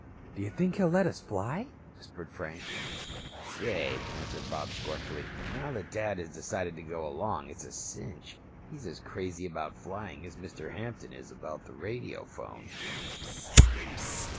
"Do you think he'll let us fly?" whispered Frank. "Say," answered Bob scornfully, "now that Dad has decided to go along, it's a cinch. He's as crazy about flying as Mr. Hampton is about the radiophone." "Ssst.